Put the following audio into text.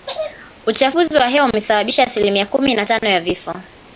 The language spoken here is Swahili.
Uchafuzi wa hewa umesababisha asilimia kumi na tano ya vifo.